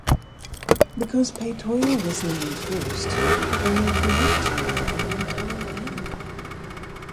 Because "Peytoia" was named first, it became the correct name for the entire animal.